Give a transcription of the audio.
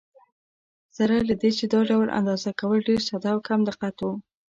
سره له دې چې دا ډول اندازه کول ډېر ساده او کم دقت و.